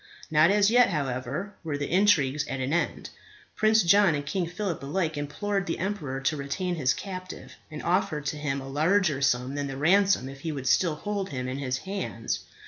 Not as yet, however, were the intrigues at an end. Prince John and King Phillip alike implored the emperor to retain his captive, and offered to him a larger sum than the ransom if he would still hold him in his hands.